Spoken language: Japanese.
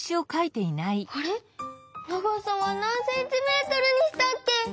あれ長さはなんセンチメートルにしたっけ？